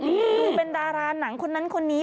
ดูเป็นดาราหนังคนนั้นคนนี้